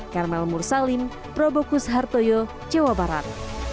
karmel mursalim probokus hartoyo jawa barat